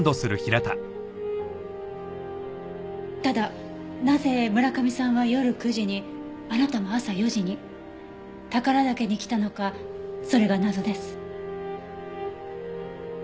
ただなぜ村上さんは夜９時にあなたも朝４時に宝良岳に来たのかそれが謎です。